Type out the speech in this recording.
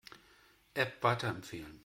App weiterempfehlen.